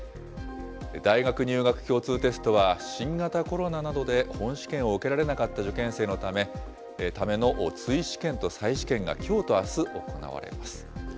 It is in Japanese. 大学入学共通テストは、新型コロナなどで本試験を受けられなかった受験生のための追試験と再試験が、きょうとあす行われます。